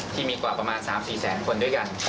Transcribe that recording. กว่าประมาณ๓๔แสนคนด้วยกัน